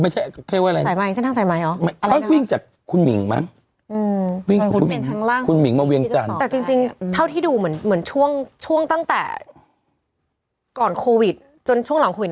ช่องกำลังขอบคุณหมิง